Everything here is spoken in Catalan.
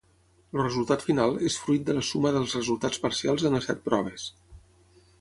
El resultat final és fruit de la suma dels resultats parcials en les set proves.